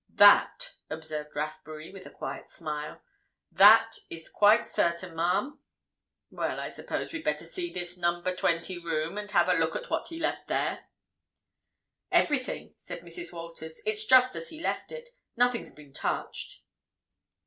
"That," observed Rathbury with a quiet smile, "that is quite certain, ma'am? Well—I suppose we'd better see this Number 20 room, and have a look at what he left there." "Everything," said Mrs. Walters, "is just as he left it. Nothing's been touched."